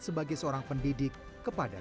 sebagai seorang pendidik kepada